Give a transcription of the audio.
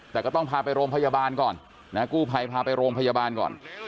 แต่ก็ต้องพาไปโรงพยาบาลก่อนนะกู้ภัยพาไปโรงพยาบาลก่อน